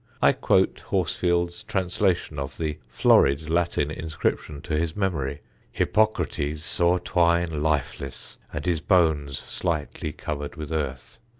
I quote Horsfield's translation of the florid Latin inscription to his memory: "Hippocrates saw Twyne lifeless and his bones slightly covered with earth.